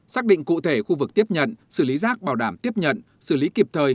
xác định cụ thể khu vực tiếp nhận xử lý rác bảo đảm tiếp nhận xử lý kịp thời